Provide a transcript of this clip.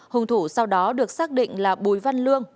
hùng thủ sau đó được xác định là bùi văn lương